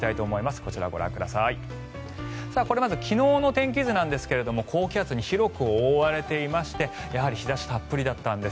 これ、まず昨日の天気図ですが高気圧に広く覆われていましてやはり日差したっぷりだったんです。